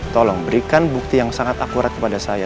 tolong berikan bukti yang sangat akurat kepada saya